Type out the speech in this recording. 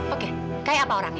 oke kayak apa orangnya